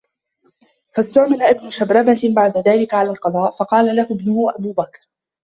فَاسْتُعْمِلَ ابْنُ شُبْرُمَةَ بَعْدَ ذَلِكَ عَلَى الْقَضَاءِ فَقَالَ لَهُ ابْنُهُ أَبُو بَكْرٍ